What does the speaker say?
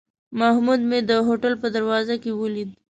محمود مې د هوټل په دروازه کې ولید.